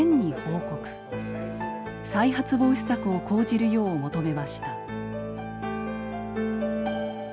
再発防止策を講じるよう求めました。